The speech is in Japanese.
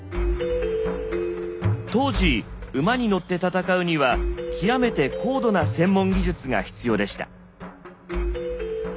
当時馬に乗って戦うには極めて高度な専門技術が必要でした。